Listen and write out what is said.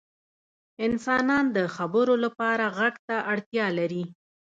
• انسانان د خبرو لپاره ږغ ته اړتیا لري.